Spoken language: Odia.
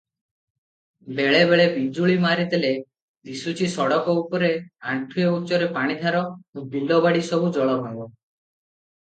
ବେଳେବେଳେ ବିଜୁଳି ମାରିଦେଲେ ଦିଶୁଚି- ସଡ଼କ ଉପରେ ଆଣ୍ଠୁଏ ଉଚ୍ଚରେ ପାଣିଧାର, ବିଲ ବାଡ଼ି ସବୁ ଜଳମୟ ।